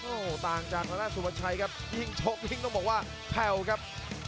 โอ้โหต่างจากทางด้านสุประชัยครับยิ่งชกยิ่งต้องบอกว่าแผ่วครับ